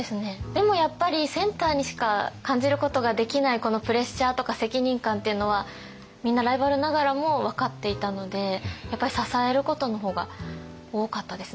でもやっぱりセンターにしか感じることができないこのプレッシャーとか責任感っていうのはみんなライバルながらも分かっていたのでやっぱり支えることの方が多かったですね。